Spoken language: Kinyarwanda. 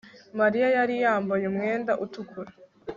Mariya yari yambaye umwenda utukura